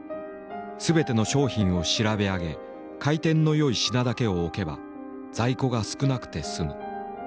全ての商品を調べ上げ回転の良い品だけを置けば在庫が少なくて済む。